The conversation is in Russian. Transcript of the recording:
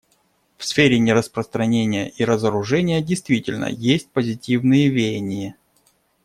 В сфере нераспространения и разоружения действительно есть позитивные веяния.